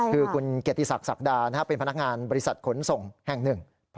คือคุณเกียรติศักดิดาเป็นพนักงานบริษัทขนส่งแห่งหนึ่ง